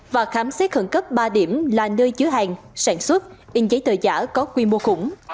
và khám xét khẩn cấp ba điểm là nơi chứa hàng sản xuất in giấy tờ giả có quy mô khủng